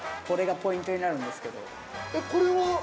これがポイントになるんですけど。